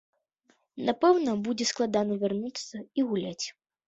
Напэўна, будзе складана вярнуцца і гуляць.